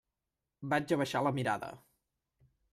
Vaig abaixar la mirada.